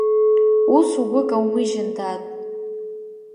Ус угәы каумыжьын, дад!